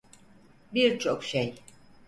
Birçok şey.